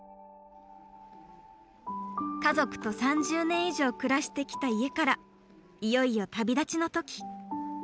家族と３０年以上暮らしてきた家からいよいよ旅立ちの時。